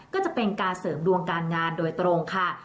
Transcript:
ก็จะเป็นการเสริมดวงการงานโดยตรงค่ะ